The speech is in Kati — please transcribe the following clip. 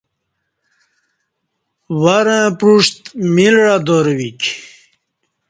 ورں پعوݜت میل عدارہ ویک